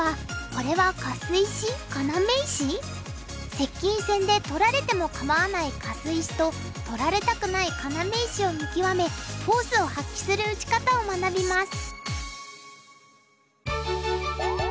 接近戦で取られても構わないカス石と取られたくない要石を見極めフォースを発揮する打ち方を学びます。